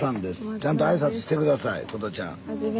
ちゃんと挨拶して下さい琴ちゃん。